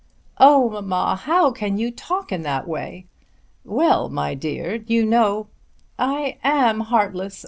"Oh, mamma, how can you talk in that way?" "Well; my dear; you know " "I am heartless.